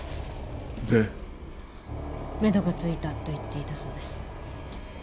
めどが付いたと言っていたそうです。